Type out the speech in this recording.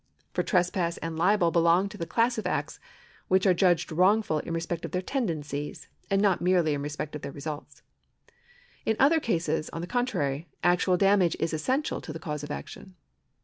For trespass and libel belong to the class of acts which are judged wrongful in respect of their tendencies, and not merely in respect of their results. In other cases, on the contrary, actual damage is essential to the cause of action.